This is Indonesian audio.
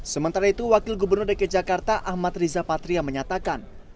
sementara itu wakil gubernur dki jakarta ahmad riza patria menyatakan